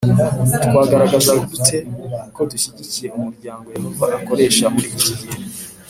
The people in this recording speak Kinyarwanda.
Twagaragaza dute ko dushyigikiye umuryango Yehova akoresha muri iki gihe